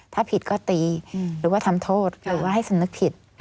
ถ้าผิดก็ตีหรือว่าทำโทษหรือว่าให้สำนึกผิด